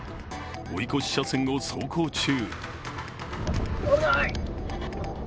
追い越し車線を走行中。